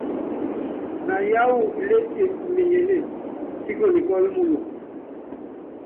Na yááwu ilétie imenyenée, síkoli kɔ́lɔ muloŋo.